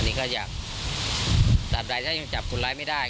อันนี้ก็จะหลับใดถ้ายังจับคนร้ายไม่ได้